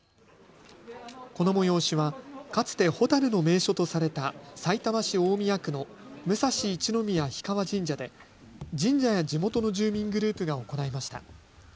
この催しはかつてホタルの名所とされたさいたま市大宮区の武蔵一宮氷川神社で神社や地元の住民グループが行いました。